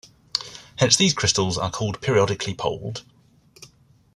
Hence, these crystals are called periodically poled.